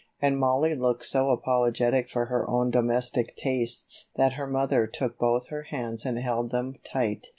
And Mollie looked so apologetic for her own domestic tastes that her mother took both her hands and held them tight.